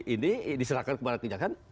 ini diserahkan kepada kejaksaan